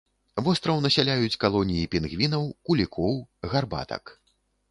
Востраў насяляюць калоніі пінгвінаў, кулікоў, гарбатак.